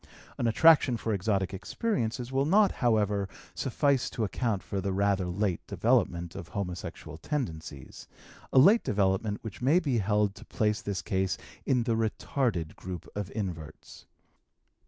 An attraction for exotic experiences will not, however, suffice to account for the rather late development of homosexual tendencies, a late development which may be held to place this case in the retarded group of inverts.